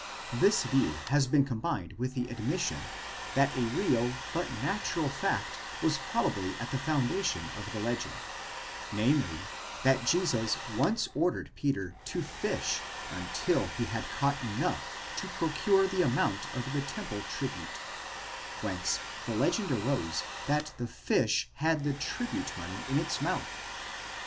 This view has been combined with the admis sion, that a real but natural fact was probably at the foundation of the legend : namely, that Jesus once ordered Peter to fish until he had caught enough to procure the amount of the temple tribute; whence the legend arose that the fish had the tribute money in its mouth.